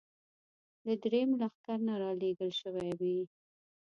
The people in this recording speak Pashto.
له درېیم لښکر نه را لېږل شوې وې.